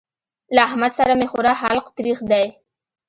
له احمد سره مې خورا حلق تريخ دی.